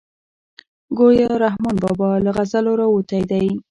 ګویا رحمان بابا له غزلو راوتی دی.